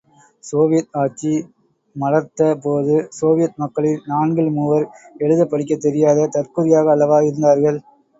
Soviet ஆட்சி, மலர்த்த போது, சோவியத் மக்களில் நான்கில் மூவர், எழுதப் படிக்கத் தெரியாத, தற்குறியாக அல்லவா இருந்தார்கள்?